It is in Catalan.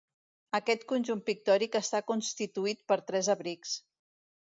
Aquest conjunt pictòric està constituït per tres abrics.